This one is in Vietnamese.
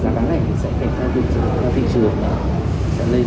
có nhiều hàng đấy thôi